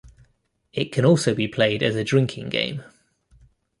It can also be played as a drinking game.